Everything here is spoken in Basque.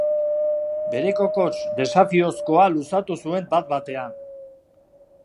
Bere kokots desafiozkoa luzatu zuen bat-batean.